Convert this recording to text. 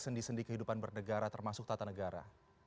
sendi sendi kehidupan bernegara termasuk tata negara